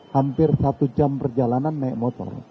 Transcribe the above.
hampir satu jam perjalanan naik motor